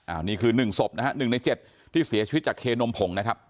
อ่านี่คือหนึ่งศพนะฮะหนึ่งในเจ็ดที่เสียชีวิตจากเคนมผงนะครับ